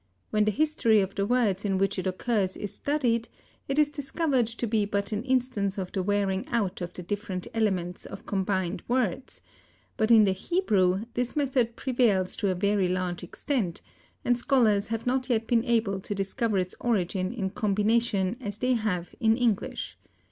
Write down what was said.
When the history of the words in which it occurs is studied it is discovered to be but an instance of the wearing out of the different elements of combined words; but in the Hebrew this method prevails to a very large extent, and scholars have not yet been able to discover its origin in combination as they have in English.